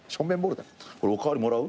お代わりもらう？